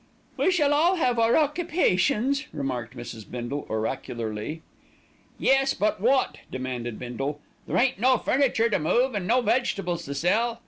"We shall all have our occupations," remarked Mrs. Bindle oracularly. "Yes, but wot?" demanded Bindle. "There ain't no furniture to move an' no vegetables to sell.